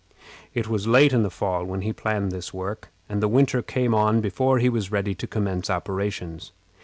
It was late in the fall when he planned this work, and the winter came on before he was ready to commence operations.